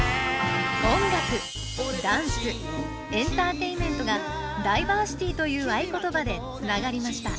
音楽ダンスエンターテインメントがダイバーシティという合言葉でつながりました。